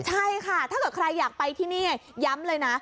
ใช่ค่ะถ้าเกิดใครอยากไปที่นี่ย้ำเลยนะ